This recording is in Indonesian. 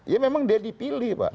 ya memang dia dipilih pak